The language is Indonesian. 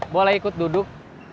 boleh ikut duduk